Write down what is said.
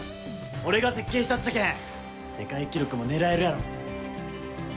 俺が設計したっちゃけん世界記録も狙えるやろ。